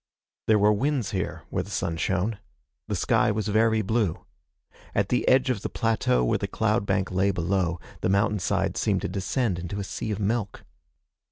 There were winds here where the sun shone. The sky was very blue. At the edge of the plateau where the cloud bank lay below, the mountainsides seemed to descend into a sea of milk.